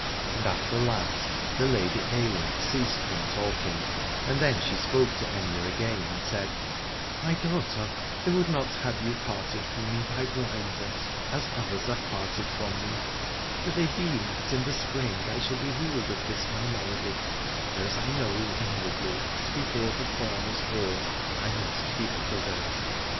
And at the last the Lady Ailinn ceased from talking, and then she spoke to Aithne again and said : My daughter, I would not have you parted from me by blindness, as others are parted from me : for they deem that in the Spring I shall be healed of this my malady, whereas I know inwardly that before the thorn is hoar I must be otherwhere.